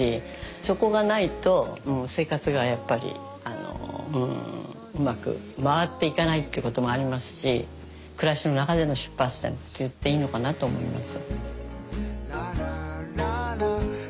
そこがないと生活がうまく回っていかないっていうこともありますし暮らしの中での出発点って言っていいのかなと思います。